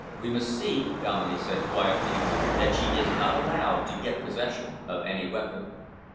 "We must see," Dominey said quietly, "that she is not allowed to get possession of any weapon."